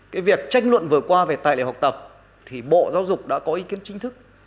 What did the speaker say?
cái việc tranh luận vừa qua về tài liệu học tập thì bộ giáo dục đã có ý kiến chính thức